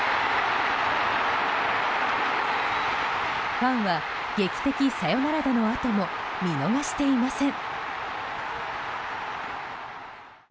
ファンは劇的サヨナラ打のあとも見逃していません。